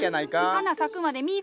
花咲くまで実ぃ